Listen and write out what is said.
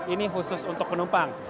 ini khusus untuk penumpang